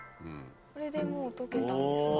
これでもう溶けたんですか？